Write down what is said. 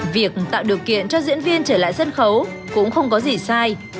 việc tạo điều kiện cho diễn viên trở lại sân khấu cũng không có gì sai